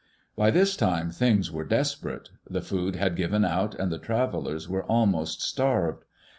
By this time, things were desperate. The food had given out and the travelers were almost starved.